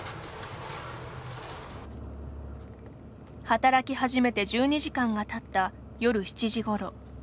働き始めて１２時間がたった夜７時ごろ。